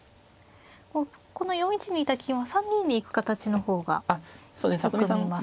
この４一にいた金は３二に行く形の方がよく見ますか。